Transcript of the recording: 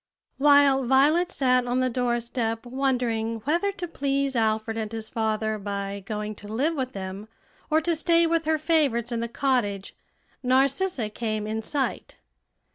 While Violet sat on the doorstep wondering whether to please Alfred and his father by going to live with them or to stay with her favorites in the cottage, Narcissa came in sight.